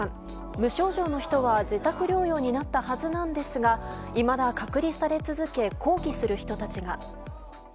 無症状の人は自宅療養になったはずなんですがいまだ隔離され続け抗議する人たちが。